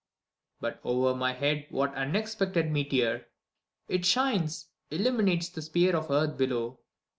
But o'er my head what unexpected meteor! It shines, illuminates the sphere of earth below.